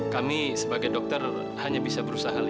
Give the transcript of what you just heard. jangan jangan bu sari